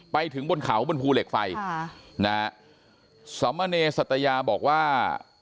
ไปถึงบนเขาบนภูเหล็กไฟค่ะนะฮะสมเนสัตยาบอกว่า